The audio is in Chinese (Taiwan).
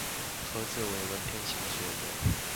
何者為文天祥所言？